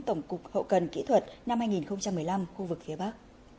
tổng cục hậu cần kỹ thuật năm hai nghìn một mươi năm khu vực phía bắc